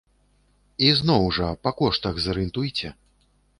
І зноў, жа па коштах зарыентуйце.